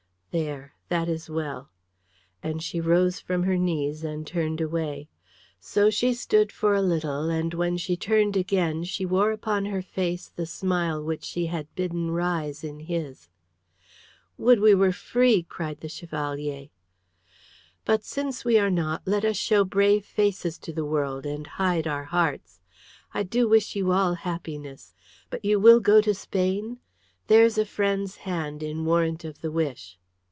There, that is well," and she rose from her knees and turned away. So she stood for a little, and when she turned again she wore upon her face the smile which she had bidden rise in his. "Would we were free!" cried the Chevalier. "But since we are not, let us show brave faces to the world and hide our hearts. I do wish you all happiness. But you will go to Spain. There's a friend's hand in warrant of the wish."